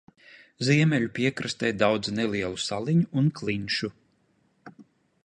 Ziemeļu piekrastē daudz nelielu saliņu un klinšu.